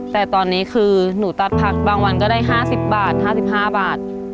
แต่ตอนนี้คือหนูตัดผักบางวันก็ได้๕๐บาท๕๕บาท